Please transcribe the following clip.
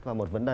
và một vấn đề